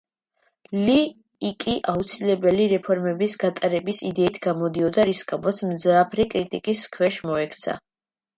ლი იკი აუცილებელი რეფორმების გატარების იდეით გამოდიოდა, რის გამოც მძაფრი კრიტიკის ქვეშ მოექცა.